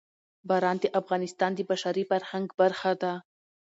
باران د افغانستان د بشري فرهنګ برخه ده.